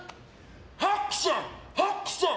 ハックション、ハックション。